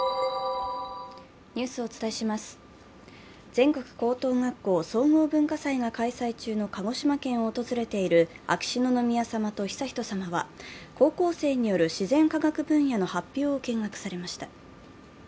全国高等学校総合文化祭が開催中の鹿児島県を訪れている秋篠宮さまと悠仁さまは、高校生による自然科学分野の発表を見学されました。